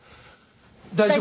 大丈夫？